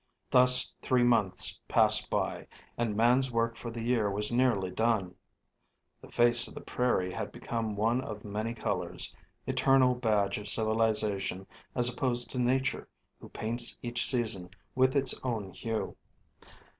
Thus three months passed by, and man's work for the year was nearly done. The face of the prairie had become one of many colors; eternal badge of civilization as opposed to Nature, who paints each season with its own hue.